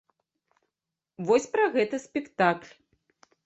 Вось пра гэта спектакль.